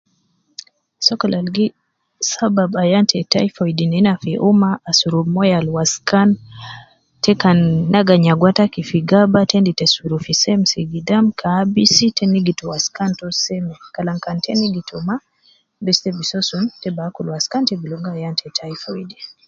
Sokol al gi ,sababu ayan te typhoid nena fi umma asurubu moyo al waskan, te kan naga nyagua taki gi gaba te endi te suru fi semsi gidam ke abisi, te nigitu waskan to seme kalam kan ta nigitu ma, bes te bi soo sun, te bi akul waskan te bi ligo ayan te typhoid